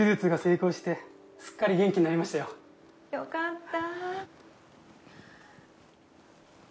よかった。